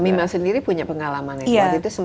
mima sendiri punya pengalaman itu